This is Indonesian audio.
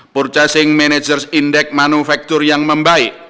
purchasing manager index manufaktur yang membaik